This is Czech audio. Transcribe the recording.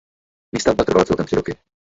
Výstavba trvala celkem tři roky.